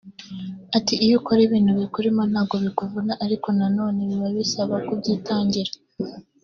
Ati "Iyo ukora ibintu bikurimo ntabwo bikuvuna ariko na none biba bisaba kubyitangira